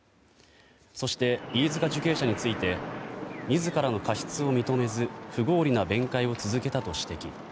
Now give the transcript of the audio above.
そして飯塚受刑者について自らの過失を認めず不合理な弁解を続けたと指摘。